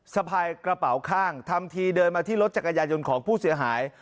สะพายกระเป๋าข้างทำทีเดินมาที่รถจักรยายนต์ของผู้เสียหาย